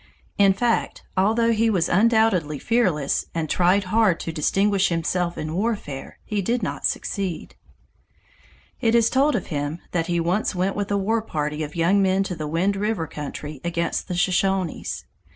In fact, although he was undoubtedly fearless and tried hard to distinguish himself in warfare, he did not succeed. It is told of him that he once went with a war party of young men to the Wind River country against the Shoshones.